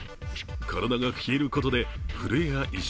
体が冷えることで震えや意識